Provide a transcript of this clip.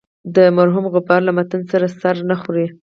د مرحوم غبار له متن سره سر نه خوري.